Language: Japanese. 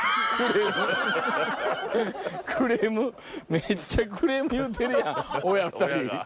めっちゃクレーム言うてるやん。